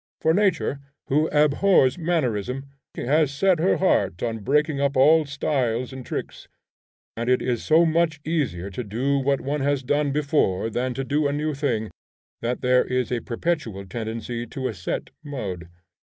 For Nature, who abhors mannerism, has set her heart on breaking up all styles and tricks, and it is so much easier to do what one has done before than to do a new thing, that there is a perpetual tendency to a set mode.